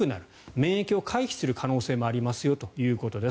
免疫を回避する可能性もありますよということです。